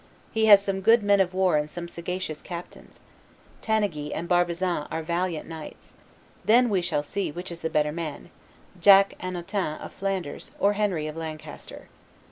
He has some good men of war and some sagacious captains. Tanneguy and Barbazan are valiant knights. Then we shall see which is the better man, Jack (Hannotin) of Flanders or Henry of Lancaster."